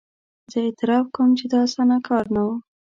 زه اعتراف کوم چې دا اسانه کار نه وو.